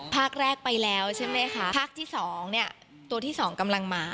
ภาคแรกไปแล้วใช่ไหมคะภาคที่สองเนี่ยตัวที่สองกำลังมา